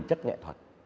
chất nghệ thuật